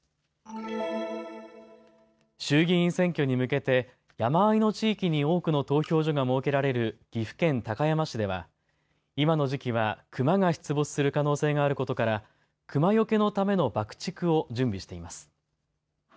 衆議院選挙に向けて山あいの地域に多くの投票所が設けられる岐阜県高山市では今の時期はクマが出没する可能性があることからクマよけのための爆竹を準備しています。